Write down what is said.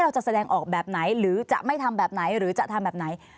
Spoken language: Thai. จะแสดงออกแบบไหนหรือจะไม่ทำแบบไหนหรือจะทำแบบไหน